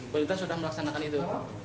pemerintah sudah melaksanakan itu